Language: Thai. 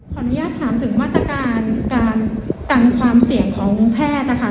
ขออนุญาตถามถึงมาตรการการกันความเสี่ยงของแพทย์นะคะ